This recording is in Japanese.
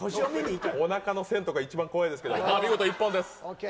おなかの線とか一番怖いですけど見事一本です。